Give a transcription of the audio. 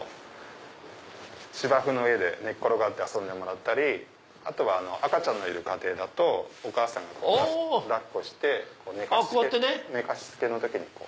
芝生の上で寝転がって遊んでもらったりあとは赤ちゃんのいる家庭だとお母さんが抱っこして寝かし付けの時に。